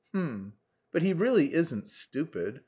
] H'm! But he really isn't stupid...